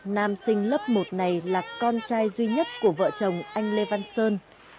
nam sinh lớp một này là con trai duy nhất của vợ chồng anh lê văn sơn